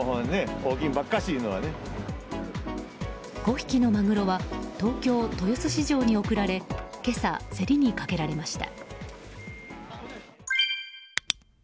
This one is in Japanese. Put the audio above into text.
５匹のマグロは東京・豊洲市場に送られ今朝、競りにかけられました。